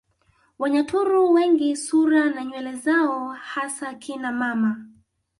Wanyaturu wengi sura na nywele zao hasa kina mama